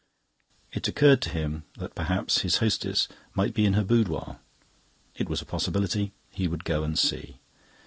It occurred to him that perhaps his hostess might be in her boudoir. It was a possibility; he would go and see.